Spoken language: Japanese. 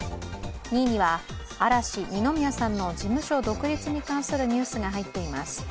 ２位には、嵐・二宮さんの事務所独立に関するニュースが入っています。